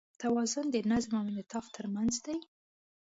توازن د نظم او انعطاف تر منځ دی.